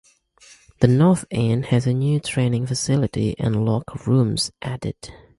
The north end has a new training facility and locker rooms added.